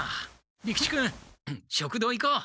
利吉君食堂行こう！